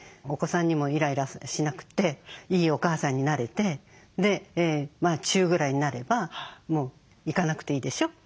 お子さんにもイライラしなくていいお母さんになれてまあ「中」ぐらいになればもう行かなくていいでしょ？